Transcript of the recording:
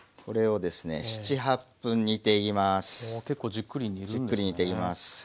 これをですね７８分煮ていきます。